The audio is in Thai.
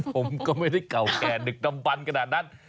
ผมก็ไม่ได้เก่าแก่ดึกดำบันขนาดนั้น